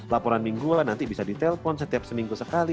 laporan minggu lah nanti bisa ditelepon setiap seminggu sekali